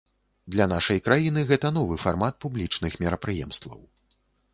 Для нашай краіны гэта новы фармат публічных мерапрыемстваў.